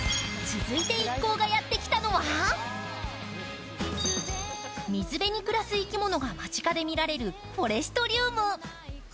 続いて一行がやってきたのは水辺に暮らす生き物が間近で見られるフォレストリウム。